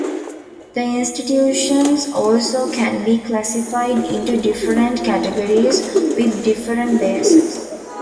The institutions also can be classified into different categories with different bases.